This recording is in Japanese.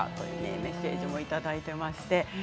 メッセージもいただいています。